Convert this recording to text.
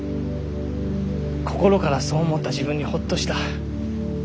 心からそう思った自分にホッとした。